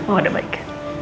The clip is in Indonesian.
mama udah baik